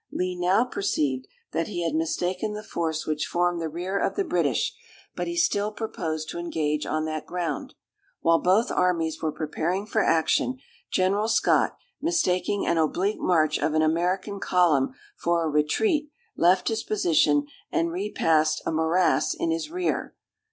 Lee now perceived that he had mistaken the force which formed the rear of the British; but he still proposed to engage on that ground. While both armies were preparing for action, General Scott, mistaking an oblique march of an American column for a retreat, left his position, and repassed a morass in his rear.